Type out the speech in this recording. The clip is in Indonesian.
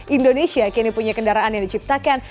indonesia kini punya kendaraan yang diciptakan